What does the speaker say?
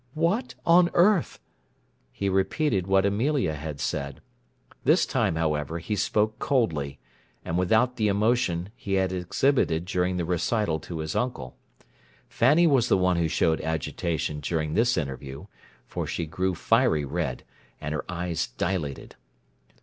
"What on earth—" He repeated what Amelia had said. This time, however, he spoke coldly, and without the emotion he had exhibited during the recital to his uncle: Fanny was the one who showed agitation during this interview, for she grew fiery red, and her eyes dilated.